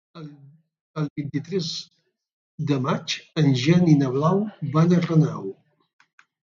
El vint-i-tres de maig en Jan i na Blau van a Renau.